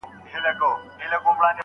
سپوږمۍ په لپه کې هغې په تماشه راوړې